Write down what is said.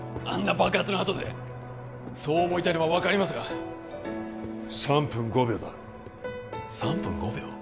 あんな爆発のあとでそう思いたいのは分かりますが３分５秒だ３分５秒？